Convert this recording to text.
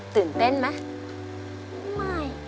ตื่นเต้นมั้ย